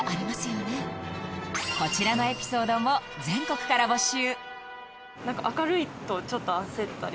こちらのエピソードも全国から募集！